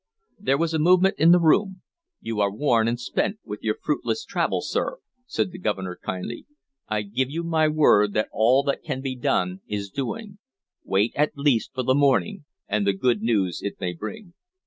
There was a movement in the room. "You are worn and spent with your fruitless travel, sir," said the Governor kindly. "I give you my word that all that can be done is doing. Wait at least for the morning, and the good news it may bring."